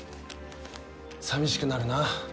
さみしくなるな。